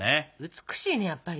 美しいねやっぱり。